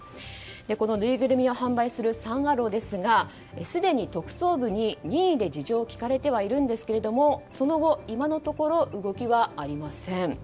このぬいぐるみを販売するサン・アローですがすでに特捜部に任意で事情を聴かれてはいますがその後、今のところ動きはありません。